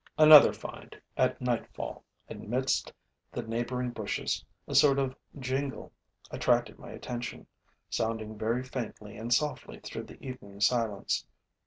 Another find. At nightfall, amidst the neighboring bushes, a sort of jingle attracted my attention, sounding very faintly and softly through the evening silence.